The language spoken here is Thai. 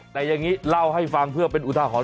แต่อย่างนี้เล่าให้ฟังเพื่อเป็นอุทาหรณ